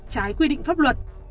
trái quy định pháp luật